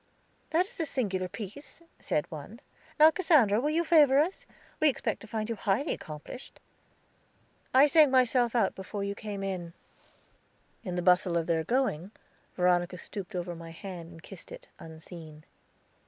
"That is a singular piece," said one. "Now, Cassandra, will you favor us? We expect to find you highly accomplished." "I sang myself out before you came in." In the bustle of their going, Veronica stooped over my hand and kissed it, unseen.